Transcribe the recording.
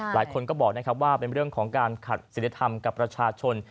หลายคนก็บอกนะครับว่าเป็นเรื่องของการขัดศิลธรรมกับประชาชน